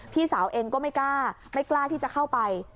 พี่สาวเองก็ไม่กล้าไม่กล้าที่จะเข้าไป